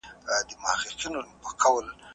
که لمر ډوب شي نو هوا به سړه شي.